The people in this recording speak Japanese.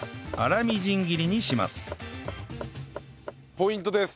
ポイントです。